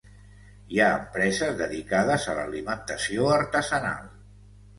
Hi ha empreses dedicades a l'alimentació artesanal.